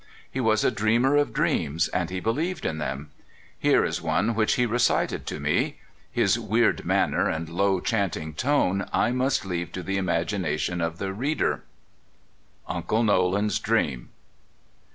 He was a dreamer of dreams, and he believed in them. Here is one which he recited to me. His weird manner, and low, chanting tone, I must leave to the imagina tion af the reader. Uncle Nolan's Dream.